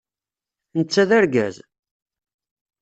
Netta d argaz?